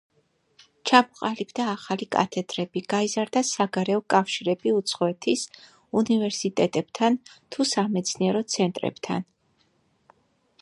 ჩამოყალიბდა ახალი კათედრები, გაიზარდა საგარეო კავშირები უცხოეთის უნივერსიტეტებთან თუ სამეცნიერო ცენტრებთან.